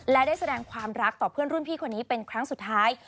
และได้แสดงความรักต่อเพื่อนรุ่นพี่คนนี้เป็นครั้งสุดท้าย